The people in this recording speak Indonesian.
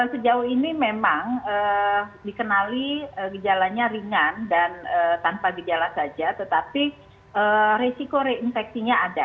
sejauh ini memang dikenali gejalanya ringan dan tanpa gejala saja tetapi resiko reinfeksinya ada